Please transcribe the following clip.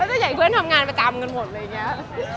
ส่วนใหญ่เพื่อนทำงานประจำกันหมดอะไรอย่างนี้